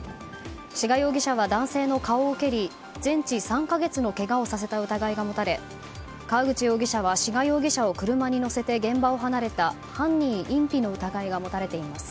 志賀容疑者は男性の顔を蹴り全治３か月のけがをさせた疑いが持たれ川口容疑者は志賀容疑者を車に乗せて現場を離れた犯人隠避の疑いが持たれています。